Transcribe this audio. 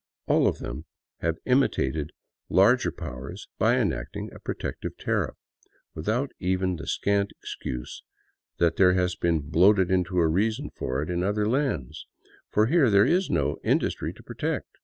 All of them have imitated larger powers by enacting a "protective tariff," without even the scant excuse that has been bloated into a reason for it in other lands; for here there is no industry to " protect."